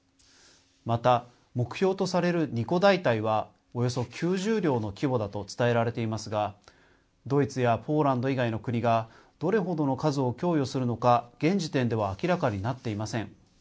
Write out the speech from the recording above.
また、目標とされる２個大隊はおよそ９０両の規模だと伝えられていますが、ドイツやポーランド以外の国が、どれほどの数を供与するのか、現時点では明らかになっていません。